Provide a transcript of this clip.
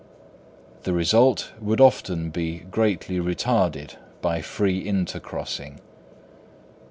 The result would often be greatly retarded by free intercrossing.